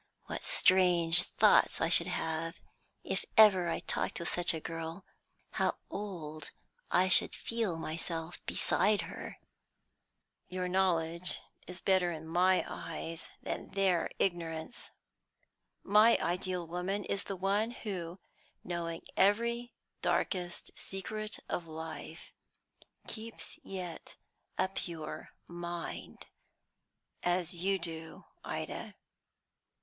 What strange thoughts I should have, if ever I talked with such a girl; how old I should feel myself beside her!" "Your knowledge is better in my eyes than their ignorance. My ideal woman is the one who, knowing every darkest secret of life, keeps yet a pure mind as you do, Ida."